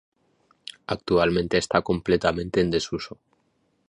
Actualmente está completamente en desuso.